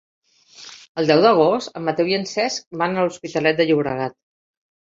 El deu d'agost en Mateu i en Cesc van a l'Hospitalet de Llobregat.